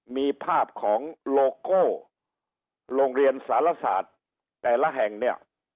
มีภาพของโลโก้โรงเรียนสารศาสตร์แต่ละแห่งเนี่ย